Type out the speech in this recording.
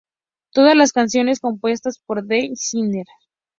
Todas las canciones compuestas por Dee Snider.